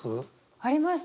ありました